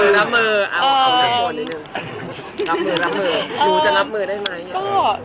รับมือ